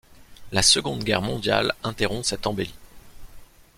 La Seconde Guerre mondiale interrompt cette embellie.